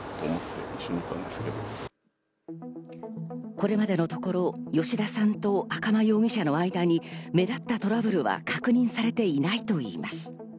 これまでのところ、吉田さんと赤間容疑者の間に目立ったトラブルは確認されていないと言います。